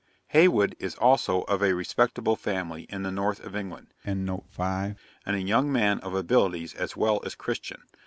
'Heywood is also of a respectable family in the North of England, and a young man of abilities as well as Christian.